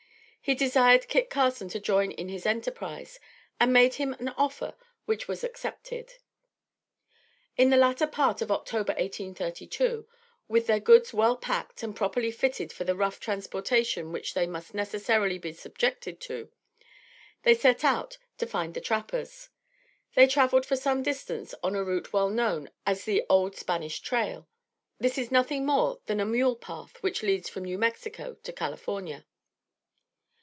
He desired Kit Carson to join in his enterprise and made him an offer which was accepted. In the latter part of October 1832, with their goods well packed and properly fitted for the rough transportation which they must necessarily be subjected to, they set out to find the trappers. They traveled for some distance on a route well known as the "Old Spanish Trail." This is nothing more than a mule path which leads from New Mexico to California.